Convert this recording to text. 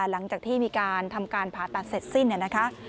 หลังจากที่มีการทำการผ่าตัดเสร็จสิ้นเนี่ยนะคะ